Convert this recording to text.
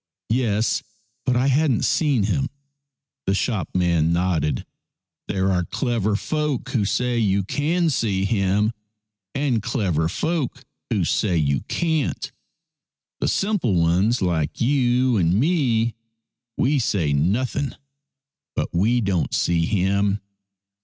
" Yes, but I hadn't seen him." The shopman nodded. " There are clever folk who say you can see him, and clever folk who say you can't. The simple ones like you and me, we say nothing, but we don't see him.